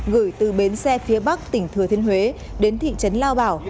gửi từ bến xe phía bắc tỉnh thừa thiên huế đến thị trấn lao bảo